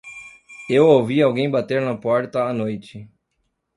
Eu ouvi alguém bater na porta à noite.